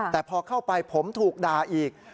แต่พอเข้าไปผมถูกด่าอีก